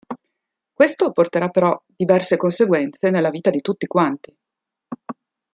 Questo porterà però diverse conseguenze nella vita di tutti quanti.